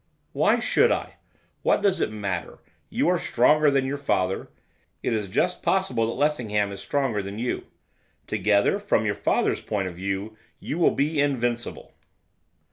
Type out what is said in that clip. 'Why should I? what does it matter? You are stronger than your father, it is just possible that Lessingham is stronger than you; together, from your father's point of view, you will be invincible.